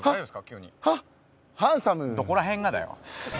急にハハンサムどこら辺がだよ